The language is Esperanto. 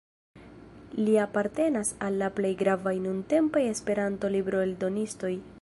Li apartenas al la plej gravaj nuntempaj Esperanto-libroeldonistoj.